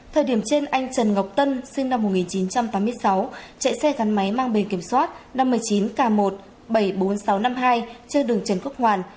thời điểm trên anh trần ngọc tân sinh năm một nghìn chín trăm tám mươi sáu chạy xe gắn máy mang bề kiểm soát năm mươi chín k một bảy mươi bốn nghìn sáu trăm năm mươi hai trên đường trần quốc hoàn